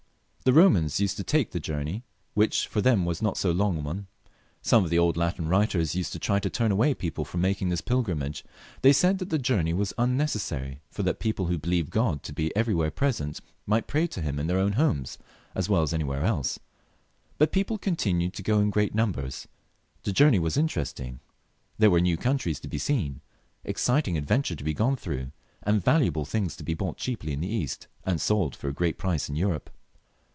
The Eomans used to take the journey, which for them was not so long a one ; some of the old Latin writers used to try to turn away people fix)m making this pil grimage; they said that the journey was unnecessary, for that people who believed God to be everywhere present, might pray to Him in their own homes as well as any where else. But people continued to go in great numbers; the journey was interesting, there were new countries to be seen, exciting adventures to be gone through, and valuable things to be bought cheaply in the East, and sold for a great price in Europe.